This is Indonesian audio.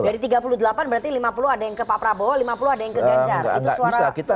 dari tiga puluh delapan berarti lima puluh ada yang ke pak prabowo lima puluh ada yang ke ganjar